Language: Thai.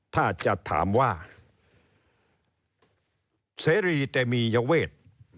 ถ้าจะถามว่าเสรีเตมียเวท